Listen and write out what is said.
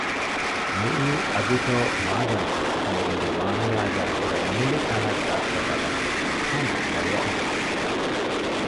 މިއީ އަދުތޯ މާދަންތޯ ނޭނގި ވާނުވާގައި ހުރެ މުޅި ތަނަށް ދައްތަ ބަލަން ފެށީ ހަމަ މޮޔައެއް ހެން